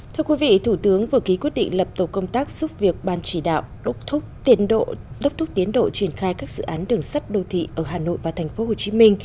thưa quý vị thủ tướng vừa ký quyết định lập tổ công tác giúp việc ban chỉ đạo đốc thúc tiến độ triển khai các dự án đường sắt đô thị ở hà nội và tp hcm